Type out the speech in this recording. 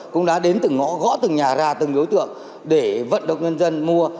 cũng đã đến từng ngõ gõ từng nhà ra từng đối tượng để vận động nhân dân mua